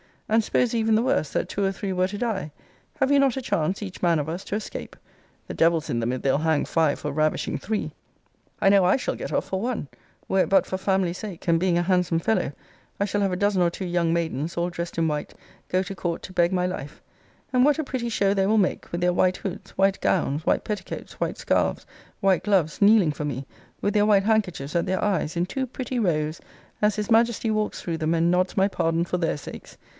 And suppose even the worst, that two or three were to die, have we not a chance, each man of us, to escape? The devil's in them, if they'll hang five for ravishing three! I know I shall get off for one were it but for family sake: and being a handsome fellow, I shall have a dozen or two young maidens, all dressed in white, go to court to beg my life and what a pretty show they will make, with their white hoods, white gowns, white petticoats, white scarves, white gloves, kneeling for me, with their white handkerchiefs at their eyes, in two pretty rows, as his Majesty walks through them and nods my pardon for their sakes!